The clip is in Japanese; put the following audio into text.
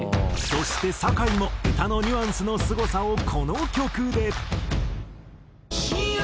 そしてさかいも歌のニュアンスのすごさをこの曲で。